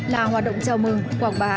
là hoạt động chào mừng quảng bá